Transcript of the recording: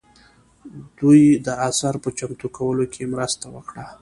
دوی د اثر په چمتو کولو کې مرسته وکړه.